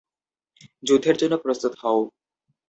যুদ্ধের জন্য প্রস্তুত হও!